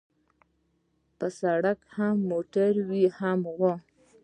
په سړک هم موټر وي هم غوا.